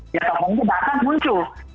ya teman teman itu bahkan muncul